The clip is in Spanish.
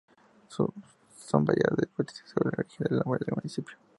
Son varias las hipótesis sobre el origen del nombre del municipio.